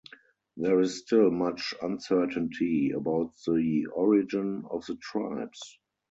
There is still much uncertainty about the origin of the tribes.